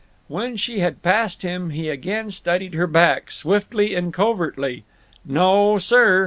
When she had passed him he again studied her back, swiftly and covertly. No, sir.